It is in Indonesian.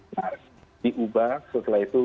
nah diubah setelah itu